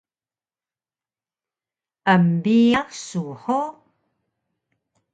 embiyax su hug!